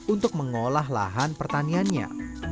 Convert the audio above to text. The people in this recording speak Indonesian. untuk mengolah lahan pertaniannya